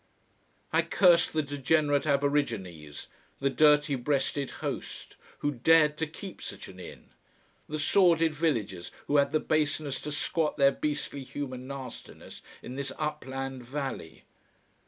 I cursed the degenerate aborigines, the dirty breasted host who dared to keep such an inn, the sordid villagers who had the baseness to squat their beastly human nastiness in this upland valley.